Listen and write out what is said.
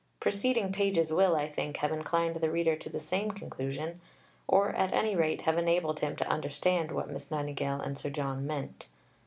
Preceding pages will, I think, have inclined the reader to the same conclusion, or, at any rate, have enabled him to understand what Miss Nightingale and Sir John meant.